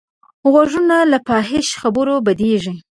غوږونه له فحش خبرو بدېږي